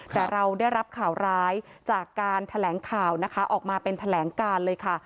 แต่เราได้รับข่าวร้ายจากการแถลงข่าวนะคะออกมาเป็นแถลงการเลยค่ะ